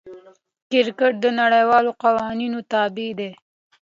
کرکټ د نړۍوالو قوانینو تابع دئ.